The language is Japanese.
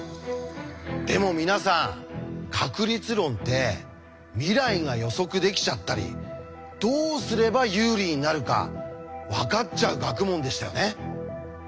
でも皆さん確率論って未来が予測できちゃったりどうすれば有利になるか分かっちゃう学問でしたよね。